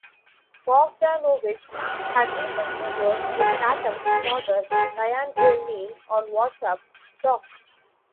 Bogdanovich had recently worked with Tatum's father Ryan O'Neal on What's Up, Doc?